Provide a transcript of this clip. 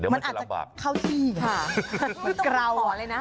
เหมือนกราว